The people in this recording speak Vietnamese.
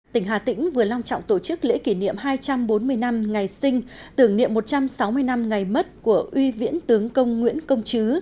tỉnh hà tĩnh vừa long trọng tổ chức lễ kỷ niệm hai trăm bốn mươi năm ngày sinh tưởng niệm một trăm sáu mươi năm ngày mất của uy viễn tướng công nguyễn công chứ